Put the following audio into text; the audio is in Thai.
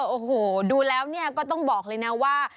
โอ้โหดูแล้วก็ต้องบอกเลยนะว่า